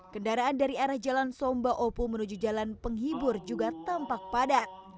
kendaraan dari arah jalan somba opu menuju jalan penghibur juga tampak padat